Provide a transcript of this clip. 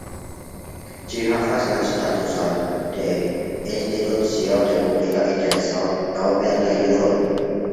Ĝi havas la statuson de "Institucio de Publika Intereso", laŭ belga juro.